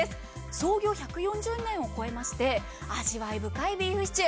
創業１４０年を超えまして、味わい深いビーフシチュー。